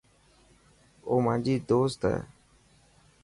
او مانجي دوست هي.